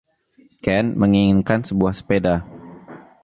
Ken menginginkan sebuah sepeda.